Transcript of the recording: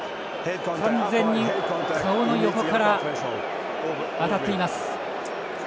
完全に顔の横から当たっています。